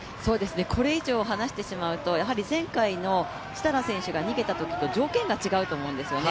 これ以上離してしまうと、前回の設楽選手が逃げたときと条件が違うと思うんですね